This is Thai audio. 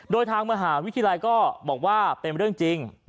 โดยทางมหาวิทยาลัยก็บอกว่าเป็นเรื่องจริง